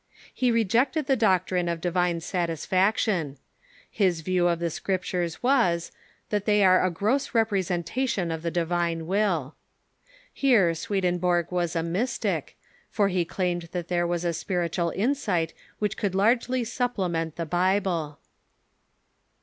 He rejected the doctrine of divine satisfaction. His view of the Scriptures Avas, that they are a gross representation of the divine Avill. Here Swedenborg Avas a ^Mystic, for he claimed that there Avas a spiritual insight which could largely supplement the Bible.